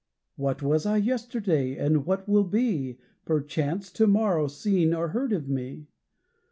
What was I yesterday? and what will be, Perchance, to morrow, seen or heard of me?